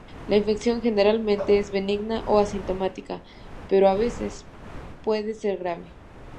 La infección generalmente es benigna o asintomática, pero, a veces, puede ser grave.